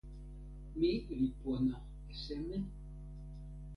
mi li pona e seme?